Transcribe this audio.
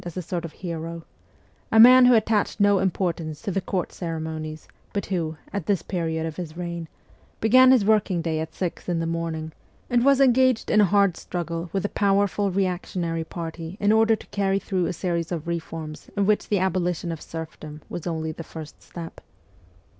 as a sort of hero ; a man w r ho attached no importance to the Court cere monies, but who, at this period of his reign, began his working day at six in the morning, and was engaged in a hard struggle with a powerful reactionary party in order to carry through a series of reforms in which the abolition of serfdom was only the first step.